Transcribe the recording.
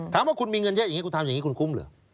ถามว่าคุณมีเงินเยอะอย่างนี้คุณทำอย่างนี้คุณคุ้มเหรอ